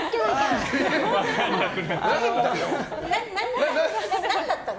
何だったの？